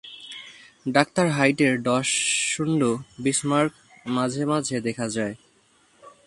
Doctor হাইটের dachshund, Bismarck, মাঝে মাঝে দেখা যায়।